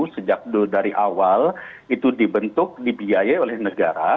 sejak dari awal itu dibentuk dibiayai oleh negara